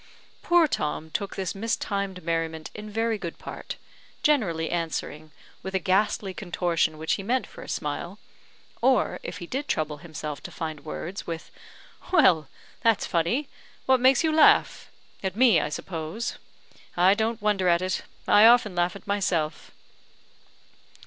Poor Tom took this mistimed merriment in very good part, generally answering with a ghastly contortion which he meant for a smile, or, if he did trouble himself to find words, with, "Well, that's funny! What makes you laugh? At me, I suppose? I don't wonder at it; I often laugh at myself."